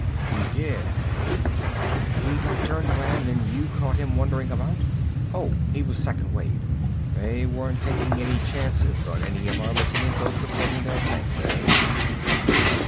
He did, eh? He got turned around and you caught him wandering about?... Oh, he was second wave! They weren't taking any chances on any of our listening posts reporting their tanks, eh?...